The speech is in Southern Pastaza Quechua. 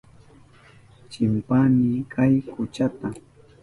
Chimpani chay kuchata.